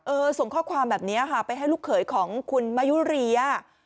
ส่งข้อความแบบนี้ค่ะไปให้ลูกเขยของคุณมายุเรีย